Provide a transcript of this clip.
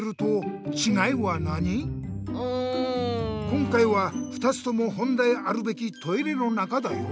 今回は２つとも本来あるべきトイレの中だよ。